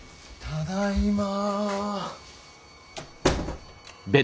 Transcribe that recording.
ただいま。